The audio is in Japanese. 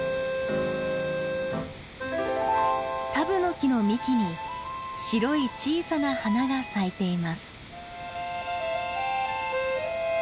タブノキの幹に白い小さな花が咲いています。